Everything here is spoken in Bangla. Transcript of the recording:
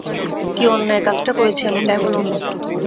কী অন্যায় কাজটা করেছি আমি, তাই বলুন না।